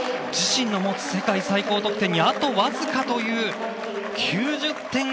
自身の持つ世界最高得点にあとわずかという９０．１８。